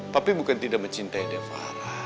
papi bukan tidak mencintai deva